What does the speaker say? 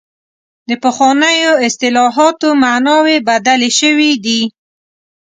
د پخوانیو اصطلاحاتو معناوې بدلې شوې دي.